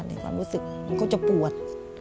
ในความรู้สึกจะปวด